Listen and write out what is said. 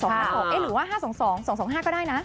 หรือว่า๕๒๒๒๕ก็ได้นะ